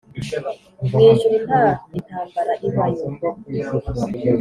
mu ijuru nta intambara ibayo